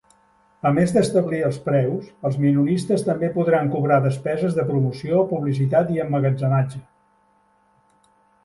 A més d'establir els preus, els minoristes també podran cobrar despeses de promoció, publicitat i emmagatzematge.